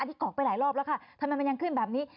นี่กรอกไปหลายรอบแล้วค่ะทำไมมันยังขึ้นแบบนี้